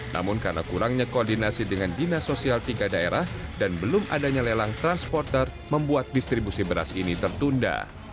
namun karena kurangnya koordinasi dengan dinas sosial tiga daerah dan belum adanya lelang transporter membuat distribusi beras ini tertunda